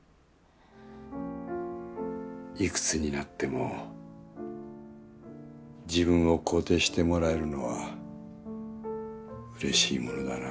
いくつになっても自分を肯定してもらえるのはうれしいものだな。